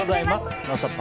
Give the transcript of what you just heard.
「ノンストップ！」